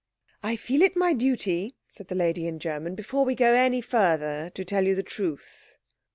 "I feel it my duty," said the lady in German, "before we go any further to tell you the truth."